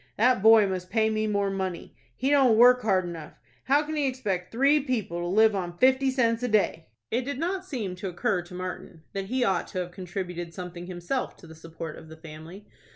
"That boy must pay me more money. He don't work hard enough. How can he expect three people to live on fifty cents a day?" It did not seem to occur to Martin that he ought to have contributed something himself to the support of the family.